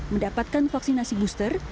mendapatkan vaksinasi booster